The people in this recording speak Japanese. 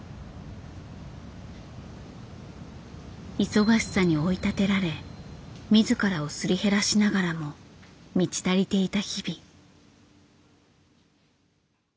忙しさに追いたてられ自らをすり減らしながらも満ち足りていた日々。